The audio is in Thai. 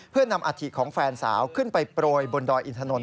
เพื่อนำอาธิของแฟนสาวขึ้นไปโปรยบนดอยอินทนนท